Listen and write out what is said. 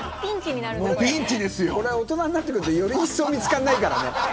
大人になってくるとよりいっそう見つからないからね。